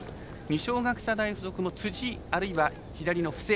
二松学舎大付属も辻あるいは左の布施